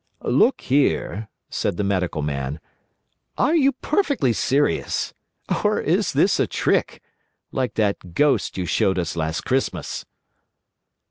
"Look here," said the Medical Man, "are you perfectly serious? Or is this a trick—like that ghost you showed us last Christmas?"